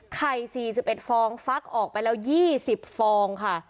๔๑ฟองฟักออกไปแล้ว๒๐ฟองค่ะ